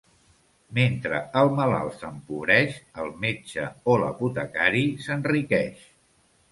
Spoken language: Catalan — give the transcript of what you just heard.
Mentre el malalt s'empobreix el metge o l'apotecari s'enriqueix.